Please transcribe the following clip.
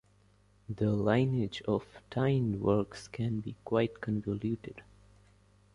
The lineage of tie-in works can be quite convoluted.